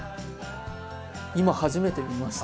今初めて見ました。